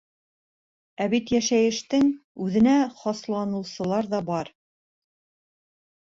Ә бит йәшәйештең үҙенә хасланыусылар ҙа бар.